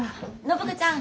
暢子ちゃん